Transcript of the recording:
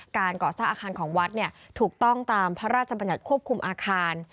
การก่อสร้างอาคารของวัดถูกต้องตามพระราชบัญญัติควบคุมอาคาร